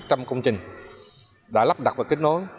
trăm công trình đã lắp đặt và kết nối